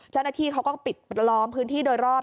เจ้าหน้าที่เขาก็ปิดล้อมพื้นที่โดยรอบ